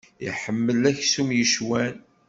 Iḥemmel aksum yecwan.